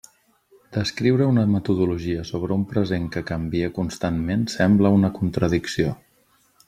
Descriure una metodologia sobre un present que canvia constantment sembla una contradicció.